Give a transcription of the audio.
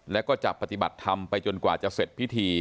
และก็จะปฏิบัติธรรมไปจนกว่าจะเสร็จพิธี